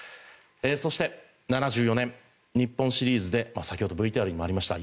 そして、７４年、日本シリーズで先ほどＶＴＲにもありました